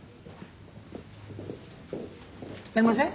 すみません。